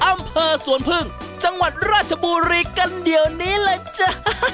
อำเภอสวนพึ่งจังหวัดราชบุรีกันเดี๋ยวนี้เลยจ้า